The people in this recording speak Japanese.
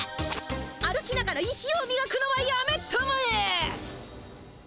歩きながら石をみがくのはやめたまえ！